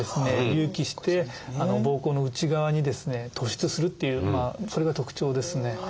隆起して膀胱の内側にですね突出するっていうそれが特徴ですね。